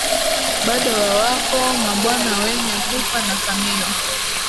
Bado, wawapo mabwana, wenye pupa na kamiyo